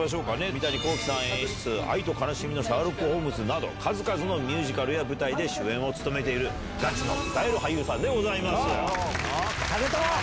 三谷幸喜さん演出、愛と悲しみのシャーロック・ホームズなど、数々のミュージカルや舞台で主演を務めている、がちの歌うま俳優さんでございます。